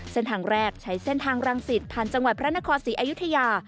เส้นทางแรกใช้เส้นทางรังสิตผ่านจังหวัดพระนครศรีอยุธยา